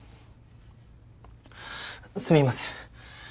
すみません。